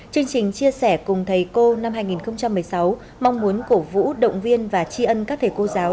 chương trình chia sẻ cùng thầy cô năm hai nghìn một mươi sáu mong muốn cổ vũ động viên và tri ân các thầy cô giáo